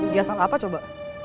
dia salah apa coba